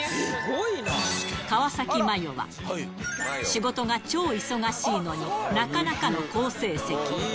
川崎麻世は、仕事が超忙しいのに、なかなかの好成績。